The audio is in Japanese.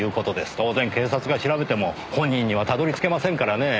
当然警察が調べても本人にはたどり着けませんからねぇ。